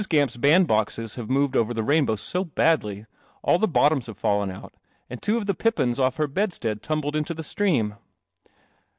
Gamp's bandboxes have moved over the rainbow so badly. All the bottoms have fallen out, and two of the pippins off her bedstead tumbled into the stream."